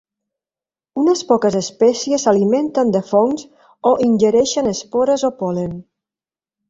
Unes poques espècies s'alimenten de fongs o ingereixen espores o pol·len.